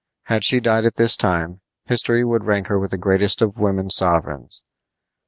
Had she died at this time history would rank her with the greatest of women sovereigns.